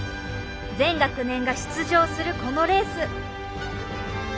全学年が出場するこのレース。